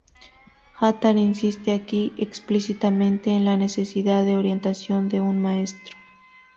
Attar insiste aquí, explícitamente, en la necesidad de orientación de un Maestro.